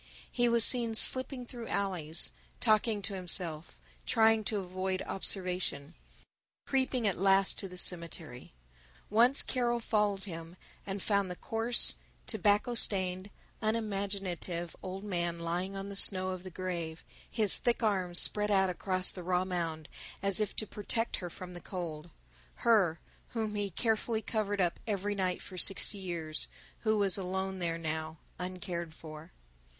He was seen slipping through alleys, talking to himself, trying to avoid observation, creeping at last to the cemetery. Once Carol followed him and found the coarse, tobacco stained, unimaginative old man lying on the snow of the grave, his thick arms spread out across the raw mound as if to protect her from the cold, her whom he had carefully covered up every night for sixty years, who was alone there now, uncared for.